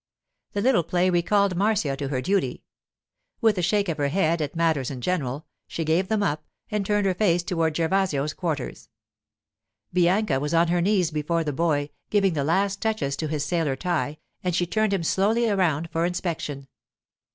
The little play recalled Marcia to her duty. With a shake of her head at matters in general, she gave them up, and turned her face toward Gervasio's quarters. Bianca was on her knees before the boy, giving the last touches to his sailor tie, and she turned him slowly around for inspection.